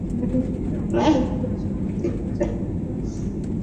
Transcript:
শুনানি শেষে আদালত দুই আসামির তিন হাজার টাকা মুচলেকায় জামিন মঞ্জুর করেন।